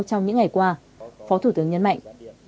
trong những ngày qua phó thủ tướng nhấn mạnh